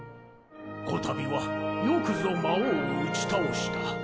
こたびはよくぞ魔王を打ち倒した。